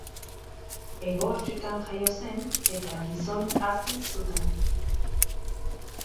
Hego Afrikan jaio zen eta gizon hazi zuten.